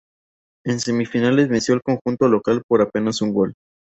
En semifinales venció al conjunto local por apenas un gol.